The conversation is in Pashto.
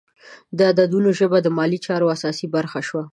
د عددونو ژبه د مالي چارو اساسي برخه شوه.